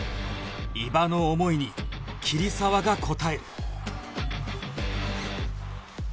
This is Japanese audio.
伊庭の思いに桐沢が応える